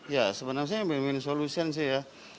ya sebenarnya memang solusen sih ya